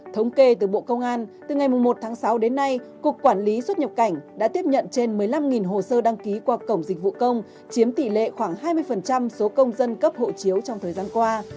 thống kê từ bộ công an từ ngày một tháng sáu đến nay cục quản lý xuất nhập cảnh đã tiếp nhận trên một mươi năm hồ sơ đăng ký qua cổng dịch vụ công chiếm tỷ lệ khoảng hai mươi số công dân cấp hộ chiếu trong thời gian qua